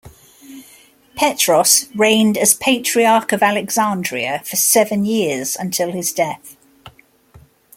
Petros reigned as Patriarch of Alexandria for seven years until his death.